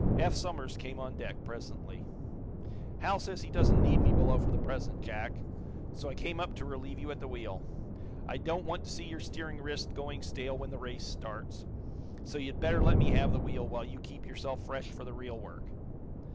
Eph Somers came on deck, presently. "Hal says he doesn't need me below for the present, Jack, so I came up to relieve you at the wheel. I don't want to see your steering wrist going stale when the race starts, so you'd better let me have the wheel, while you keep yourself fresh for the real work."